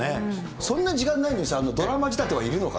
そんな時間ないのに、ドラマ仕立てはいるのかな。